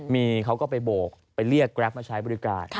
มีเขาก็ไปโบกไปเรียกแกรปมาใช้บริการ